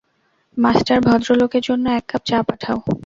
Master, ভদ্রলোকের জন্য এক কাপ চা পাঠাও?